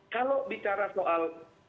kalau bicara soal